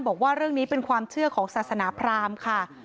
บอกว่าเรื่องนี้เป็นความเชื่อของศาสนาพรามค่ะ